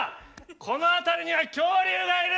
この辺りには恐竜がいる！